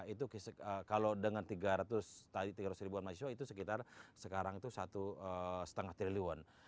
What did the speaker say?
itu kalau dengan tiga ratus ribuan mahasiswa itu sekitar sekarang itu satu lima triliun